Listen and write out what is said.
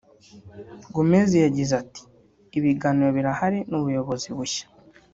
Gomes yagize ati " Ibiganiro birahari n’ubuyobozi bushya